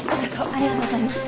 ありがとうございます。